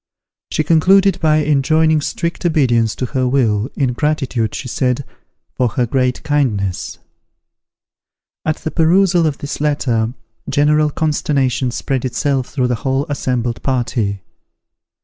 She concluded by enjoining strict obedience to her will, in gratitude, she said, for her great kindness. At the perusal of this letter general consternation spread itself through the whole assembled party.